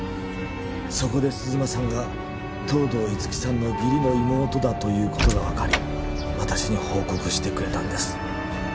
そこで鈴間さんが東堂樹生さんの義理の妹だということが分かり私に報告してくれたんです